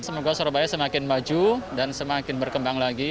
semoga surabaya semakin maju dan semakin berkembang lagi